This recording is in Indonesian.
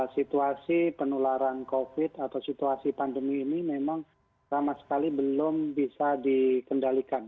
situasi penularan covid atau situasi pandemi ini memang sama sekali belum bisa dikendalikan